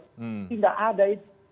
ini nggak ada itu